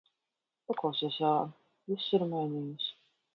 Paklausies, Jāni, viss ir mainījies.